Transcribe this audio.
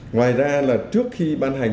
ngoài ra là trước khi ban hành